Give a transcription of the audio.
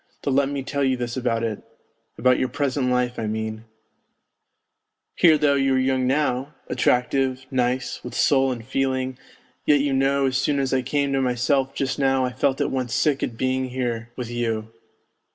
... Though let me tell you this about it about your present life, I mean ; here though you are young now, attractive, nice, with soul and feeling, yet you know as soon as I came to myself just now I felt at once sick at being here with you